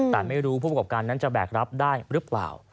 แต่ไม่รู้ผู้ประกอบการนั้นจะแบกรับได้หรือเปล่า